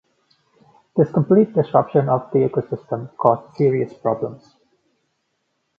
This complete disruption of the ecosystem caused serious problems.